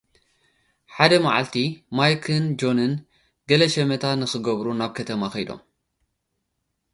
ሓደ መዓልቲ፡ ማይክን ጄንን፡ ገለ ሸመታ ንኽገብሩ ናብ ከተማ ከይዶም።